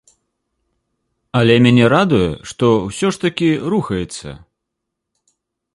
Але мяне радуе, што ўсё ж такі рухаецца.